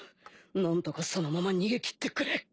なんとかそのまま逃げきってくれ